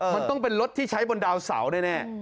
มันต้องเป็นรถที่ใช้บนดาวเสาแน่